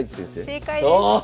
正解です。